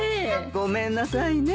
ごめんなさいね。